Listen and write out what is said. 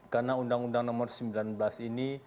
karena undang undang nomor sembilan belas ini